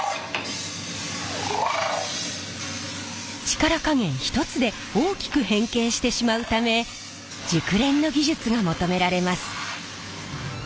力加減一つで大きく変形してしまうため熟練の技術が求められます。